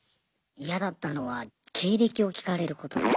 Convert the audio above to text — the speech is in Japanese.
嫌だったのは経歴を聞かれることです